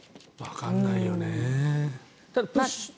わかんないよね。